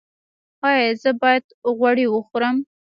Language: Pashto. ایا زه باید غوړي وخورم؟